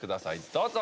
どうぞ。